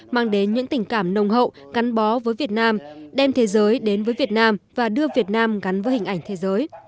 mang đến những tình cảm nồng hậu gắn bó với việt nam đem thế giới đến với việt nam và đưa việt nam gắn với hình ảnh thế giới